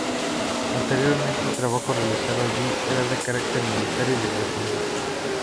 Anteriormente, el trabajo realizado allí era de carácter militar y de defensa.